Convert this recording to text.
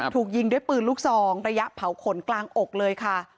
ถูกยิงด้วยปืนลูกซองระยะเผาขนกลางอกเลยค่ะ